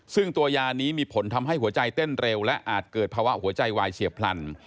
ซึ่งตัวยานี้มีผลทำให้หัวใจเต้นเร็วและอาจเกิดภาวะหัวใจวายเฉียบพลัน